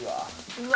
うわ！